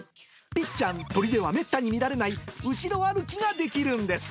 ぴっちゃん、鳥ではめったに見られない後ろ歩きができるんです。